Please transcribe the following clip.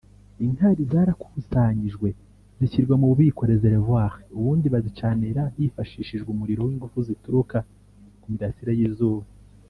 Inkari zarakusanyijwe zishyirwa mu bubiko (reservoir) ubundi bazicanira hifashishijwe umuriro w’ingufu zituruka ku mirasire y’izuba